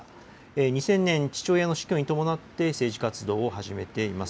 ２０００年、父親の死去に伴って政治活動を始めています。